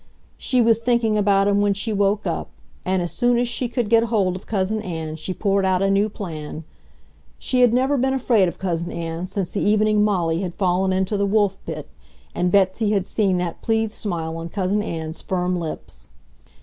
She was thinking about him when she woke up, and as soon as she could get hold of Cousin Ann she poured out a new plan. She had never been afraid of Cousin Ann since the evening Molly had fallen into the Wolf Pit and Betsy had seen that pleased smile on Cousin Ann's firm lips.